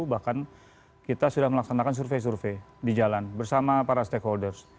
bahkan kita sudah melaksanakan survei survei di jalan bersama para stakeholders